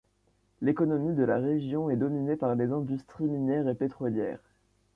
L'économie de la région est dominée par les industries minière et pétrolière.